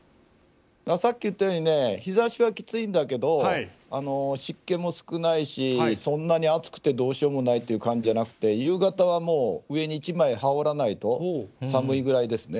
さっき言ったように日ざしはきついんだけど湿気も少ないしそんなに暑くてどうしようもないという感じじゃなくて夕方は上に１枚羽織らないと寒いくらいですね。